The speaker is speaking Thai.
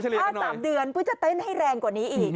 ถ้า๓เดือนเพื่อจะเต้นให้แรงกว่านี้อีก